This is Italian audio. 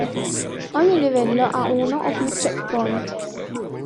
Ogni livello ha uno o più checkpoint.